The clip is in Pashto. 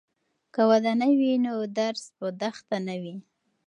که ودانۍ وي نو درس په دښته نه وي.